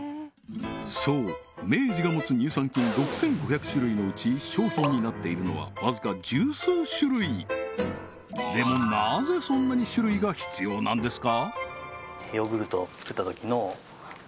そう明治が持つ乳酸菌６５００種類のうち商品になっているのはわずか十数種類でもなぜそんなに種類が必要なんですか？